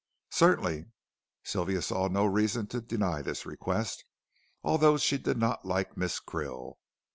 "Certainly." Sylvia saw no reason to deny this request, although she did not like Miss Krill.